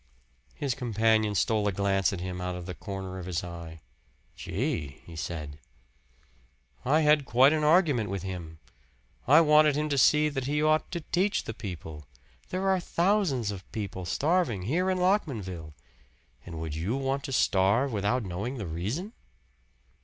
His companion stole a glance at him out of the corner of his eye. "Gee!" he said. "I had quite an argument with him. I wanted him to see that he ought to teach the people. There are thousands of people starving here in Lockmanville; and would you want to starve without knowing the reason?"